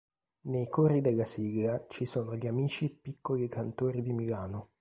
Nei cori della sigla ci sono gli amici Piccoli Cantori di Milano.